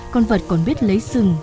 con vật còn biết lấy sừng